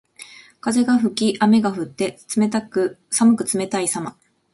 風が吹き雨が降って、寒く冷たいさま。